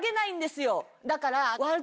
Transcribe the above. だから。